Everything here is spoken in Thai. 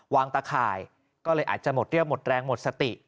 ตะข่ายก็เลยอาจจะหมดเรี่ยวหมดแรงหมดสติ